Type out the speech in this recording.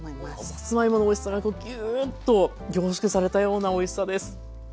さつまいものおいしさがギューッと凝縮されたようなおいしさです。